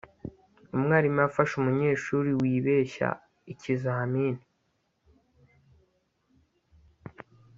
umwarimu yafashe umunyeshuri wibeshya ikizamini